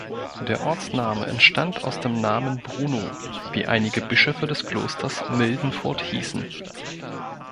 Der Ortsname entstand aus dem Namen Bruno, wie einige Bischöfe des Klosters Mildenfurth hießen.